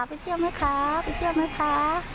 ลองไปดูบรรยากาศช่วงนั้นนะคะ